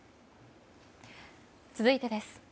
続いてです。